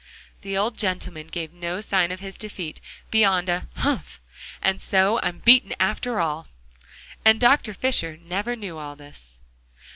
The old gentleman gave no sign of his defeat, beyond a "Humph! and so I'm beaten, after all!" And Dr. Fisher never knew all this.